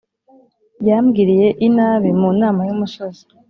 Yambwiriye inabi mu nama y'umusozi